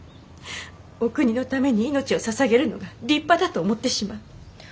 お国のために命をささげるのが立派だと思ってしまう。